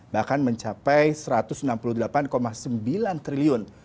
bahkan mencapai rp satu ratus enam puluh delapan sembilan triliun